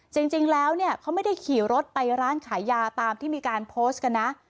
จริงแล้วเนี่ยเขาไม่ได้ขี่รถไปร้านขายยาตามที่มีการโพสต์กันนะ